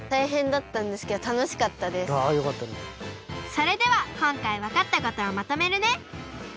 それではこんかいわかったことをまとめるね！